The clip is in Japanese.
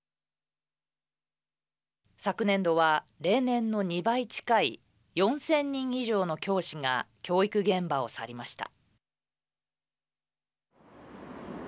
昨年度は例年の２倍近い４０００人以上の教師が教育現場を去りました。